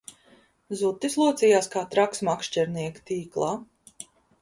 Zutis locījās kā traks makšķernieka tīklā